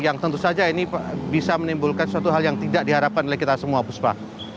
yang tentu saja ini bisa menimbulkan suatu hal yang tidak diharapkan oleh kita semua puspa